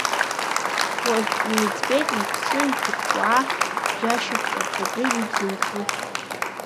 Уажә илыӡбеит лыԥсы ҩҭыкәкәаа диашьапкырц убри зегь зымчу.